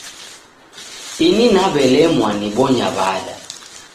Ini naw'elemwa nibonya w'ada